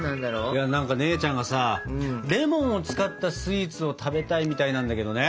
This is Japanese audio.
いや何か姉ちゃんがさレモンを使ったスイーツを食べたいみたいなんだけどね。